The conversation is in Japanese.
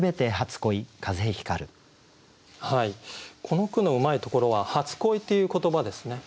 この句のうまいところは「初恋」っていう言葉ですね。